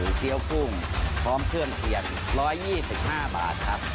เกี้ยวกุ้งพร้อมเครื่องเคียน๑๒๕บาทครับ